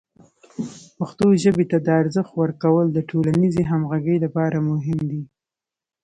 پښتو ژبې ته د ارزښت ورکول د ټولنیزې همغږۍ لپاره مهم دی.